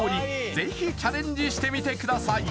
ぜひチャレンジしてみてください